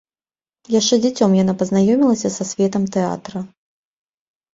Яшчэ дзіцем яна пазнаёмілася са светам тэатра.